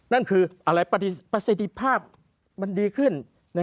นั่นคืออะไรประสิทธิภาพมันดีขึ้น